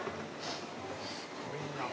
すごいな。